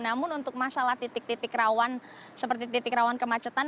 namun untuk masalah titik titik rawan seperti titik rawan kemacetan